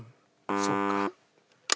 そっか。